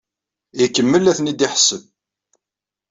Ikemmel la ten-id-iḥesseb.